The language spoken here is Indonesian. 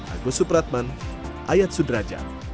agus supratman ayat sudraja